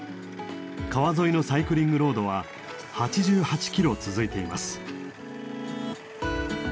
川沿いのサイクリングロードは８８キロ続いています。